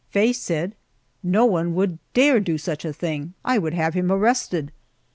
Faye said: "No one would dare do such a thing; I would have him arrested."